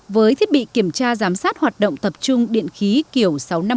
với thiết bị kiểm tra giám sát hoạt động tập trung điện khí kiểu sáu nghìn năm trăm linh hai